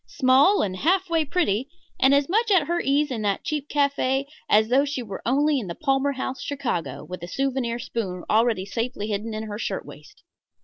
Small and half way pretty, and as much at her ease in that cheap café as though she were only in the Palmer House, Chicago, with a souvenir spoon already safely hidden in her shirt waist.